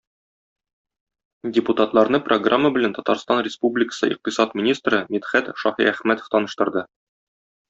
Депутатларны Программа белән Татарстан Республикасы Икътисад министры Мидхәт Шаһиәхмәтов таныштырды.